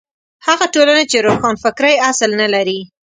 هغه ټولنې چې روښانفکرۍ اصل نه لري.